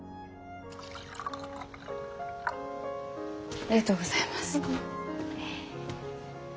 ありがとうございます。